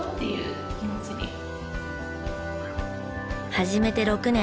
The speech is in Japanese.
始めて６年。